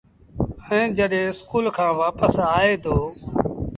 ائيٚݩ جڏهيݩ اسڪُول کآݩ وآپس آئي دو